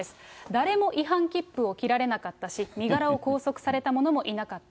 誰も違反切符を切られなかったし、身柄を拘束された者もいなかった。